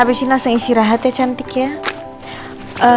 abis ini langsung isi rahat ya cantiknya